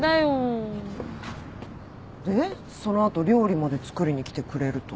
でその後料理まで作りに来てくれると。